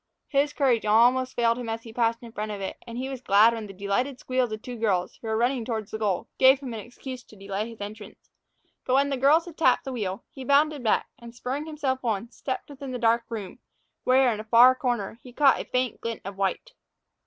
His courage almost failed him as he passed in front of it, and he was glad when the delighted squeals of two girls, who were running toward the goal, gave him an excuse to delay his entrance. But when the girls had tapped the wheel, he bounded back and, spurring himself on, stepped within the dark room, where, in a far corner, he caught a faint glint of white.